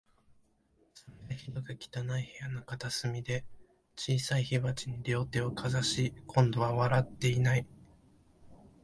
それが、ひどく汚い部屋の片隅で、小さい火鉢に両手をかざし、今度は笑っていない